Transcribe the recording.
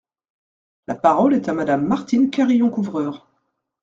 La parole est à Madame Martine Carrillon-Couvreur.